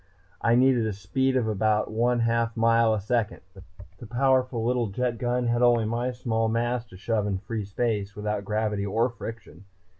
I needed a speed of about one half mile a second. The powerful little jet gun had only my small mass to shove in free space, without gravity or friction.